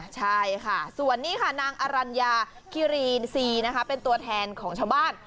ใช่ค่ะส่วนนี้ค่ะนางอรัญญาคิรีนซีนะคะเป็นตัวแทนของชาวบ้าน